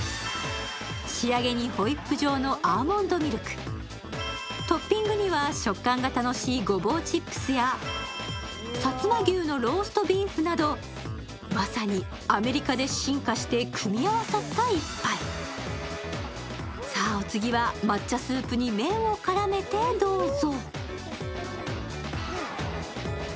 仕上げにホイップ状のアーモンドミルク、トッピングには食感が楽しいごぼうチップスやさつま牛のローストビーフなどまさにアメリカで進化して組み合わさった一杯さあ、お次は抹茶スープに麺を絡めてどうぞ。